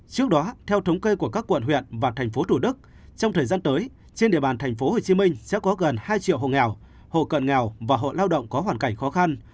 trước đó theo thống kê của các quận huyện và thành phố thủ đức trong thời gian tới trên địa bàn thành phố hồ chí minh sẽ có gần hai triệu hộ nghèo hộ cận nghèo và hộ lao động có hoàn cảnh khó khăn